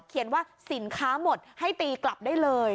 เขียนว่าสินค้าหมดให้ตีกลับได้เลย